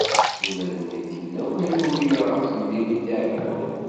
Ula d nekk yella wayen uriɣ ɣef temlilit n Yiɛekkuren.